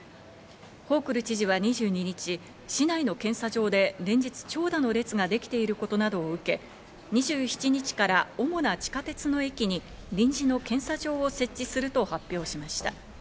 ホークル知事は２２日、市内の検査場で連日、長蛇の列ができていることなどを受け、２７日から主な地下鉄の駅に臨時の検査場を設置すると発表しました。